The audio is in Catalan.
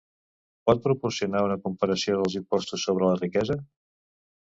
Pot proporcionar una comparació dels impostos sobre la riquesa?